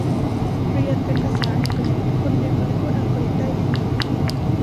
เรียนเป็นภาษาอังกฤษ คนในเมืองพูดอังกฤษได้ดี